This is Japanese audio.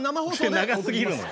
長すぎるのよ。